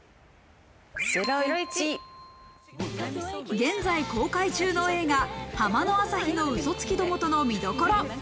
現在、公開中の映画『浜の朝日の嘘つきどもと』の見どころ。